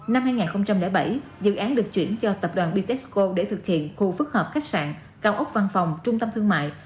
năm hai nghìn bảy dự án được chuyển cho tập đoàn bitexco để thực hiện khu phức hợp khách sạn cao ốc văn phòng trung tâm thương mại